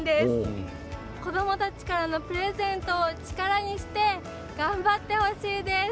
子どもたちからのプレゼントを力にして頑張ってほしいです。